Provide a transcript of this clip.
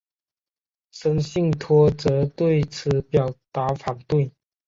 森信托则对此表达反对。